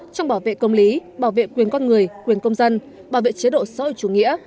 trong bảo vệ công lý bảo vệ quyền con người quyền công dân bảo vệ chế độ xã hội chủ nghĩa